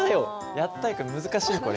やったけど難しいこれ。